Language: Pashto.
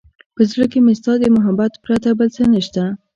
په زړه کې مې ستا د محبت پرته بل څه نشته.